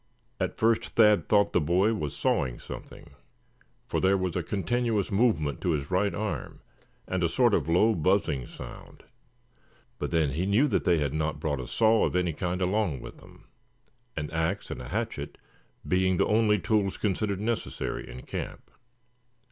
At first Thad thought the boy was sawing something, for there was a continuous movement to his right arm, and a sort of low, buzzing sound; but then he knew they had not brought a saw of any kind along with them, an ax and a hatchet being the only tools considered necessary in camp.